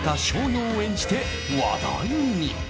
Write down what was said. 陽を演じて話題に。